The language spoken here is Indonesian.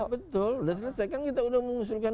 ya betul sudah selesai kan kita sudah mengusulkan